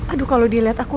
aduh kalau dia lihat aku